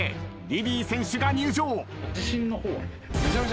リリー選手が入場。